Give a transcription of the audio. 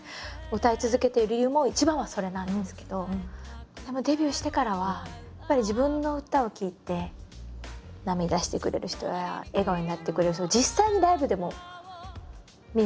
歌い続けている理由も一番はそれなんですけどデビューしてからはやっぱり自分の歌を聴いて涙してくれる人や笑顔になってくれる人